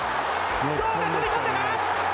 どうだ、飛び込んだか。